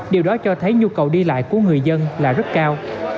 điều đó cho thấy nhu cầu đi lại của người dân là rất cao